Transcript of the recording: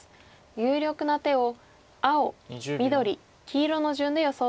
有力な手を青緑黄色の順で予想しています。